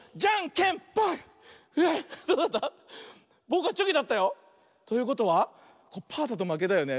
ぼくはチョキだったよ。ということはパーだとまけだよね。